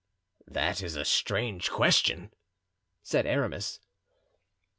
"That is a strange question," said Aramis.